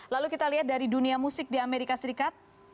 lalu kita lihat dari dunia musik di amerika serikat